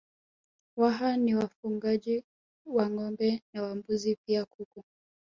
Waha ni wafugaji wa Ngombe wa na mbuzi pia kuku